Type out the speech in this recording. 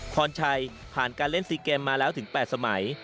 พรชัยผ่านการเล่นซีเกมมาแล้วถึง๘สมัย